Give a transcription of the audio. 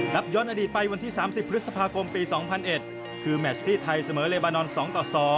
ย้อนอดีตไปวันที่๓๐พฤษภาคมปี๒๐๐๑คือแมชที่ไทยเสมอเลบานอน๒ต่อ๒